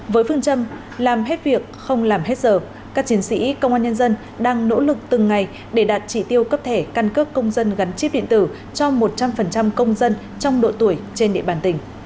với phương châm làm hết việc không làm hết giờ các chiến sĩ công an nhân dân đang nỗ lực từng ngày để đạt chỉ tiêu cấp thẻ căn cước công dân gắn chip điện tử cho một trăm linh công dân trong độ tuổi trên địa bàn tỉnh